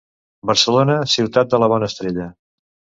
Barcelona, ciutat de la bona estrella.